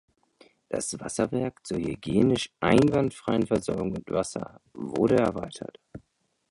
Das Wasserwerk zur hygienisch einwandfreien Versorgung mit Wasser wurde erweitert.